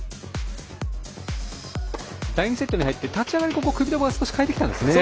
第２セットに入って立ち上がりはクビトバが変えてきたんですよね。